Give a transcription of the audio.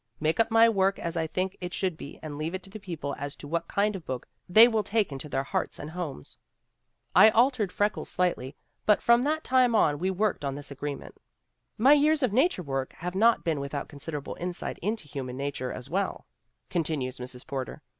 Make up my work as I think it should be and leave it to the people as to what kind of book they will take into their hearts and homes." I altered Freckles slightly, but from that time on we worked on this agreement. " 'My years of nature work have not been without considerable insight into human nature, as well/ con ioo THE WOMEN WHO MAKE OUR NOVELS tinues Mrs. Porter.